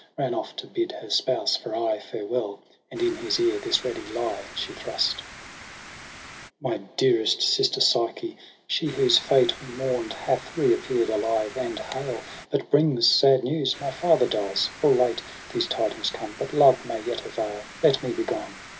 Ran off to bid her spouse for aye farewell. And in his ear this ready lie she thrust :' My dearest sister Psyche, she whose fate We mourn'd, hath reappeared alive and hale. But brings sad news j my father dies : full late These tidings come, but love may yet avail ; Let me be gone.'